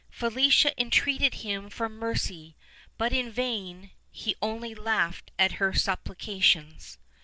Felicia entreated him for mercy, but in vain: he only laughed at her supplications.